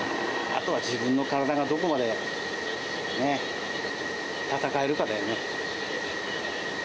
あとは自分の体がどこまでね、闘えるかだよね。